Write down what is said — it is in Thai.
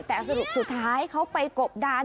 แต่สรุปสุดท้ายเขาไปกบดาน